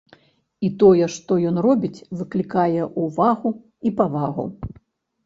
І тое, што ён робіць, выклікае ўвагу і павагу.